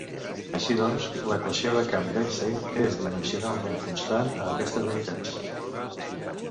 Així doncs, l'equació de camp d'Einstein és dimensionalment constant a aquestes unitats.